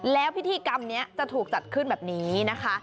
แล้วพิธีกรรมนี้จะถูกจัดขึ้นแบบนี้นะคะ